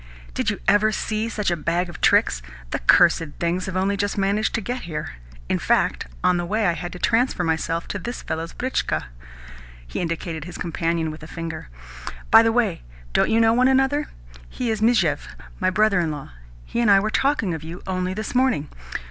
"Did you ever see such a bag of tricks? The cursed things have only just managed to get here. In fact, on the way I had to transfer myself to this fellow's britchka." He indicated his companion with a finger. "By the way, don't you know one another? He is Mizhuev, my brother in law. He and I were talking of you only this morning.